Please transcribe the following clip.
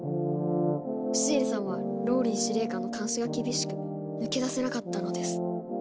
シエリさんはＲＯＬＬＹ司令官の監視が厳しく抜け出せなかったのです。